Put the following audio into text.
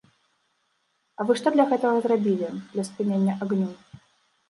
А вы што для гэтага зрабілі, для спынення агню?